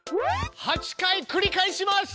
８回繰り返します！